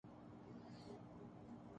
ایک متنازعہ موضوع رہا ہے